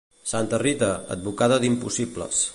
Santa Rita, advocada d'impossibles.